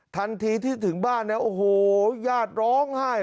ทันทีที่ถึงบ้านเนี่ยโอ้โหญาติร้องไห้